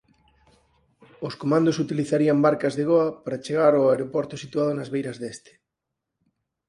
Os comandos utilizarían barcas de goa para chegar ao aeroporto situado nas beiras deste.